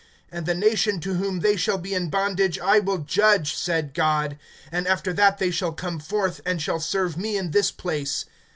(7)And the nation to whom they shall be in bondage I will judge, said God; and after that they shall come forth, and shall serve me in this place.